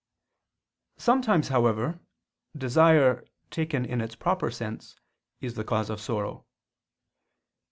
Sometimes, however, desire taken in its proper sense, is the cause of sorrow.